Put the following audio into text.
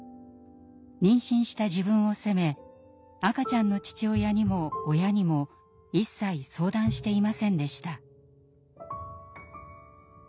妊娠した自分を責め赤ちゃんの父親にも親にも一切相談していませんでした。